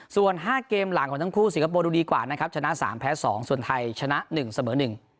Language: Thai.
ส่วน๕เกมหลังของทั้งคู่สิงคโปร์ดูดีกว่านะครับชนะ๓แพ้๒ส่วนไทยชนะ๑เสมอ๑